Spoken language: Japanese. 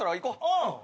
うん。